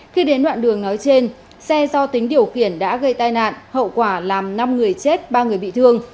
khi đến đoạn đường nói trên xe do tính điều khiển đã gây tai nạn hậu quả làm năm người chết ba người bị thương